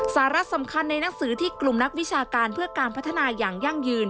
สาระสำคัญในหนังสือที่กลุ่มนักวิชาการเพื่อการพัฒนาอย่างยั่งยืน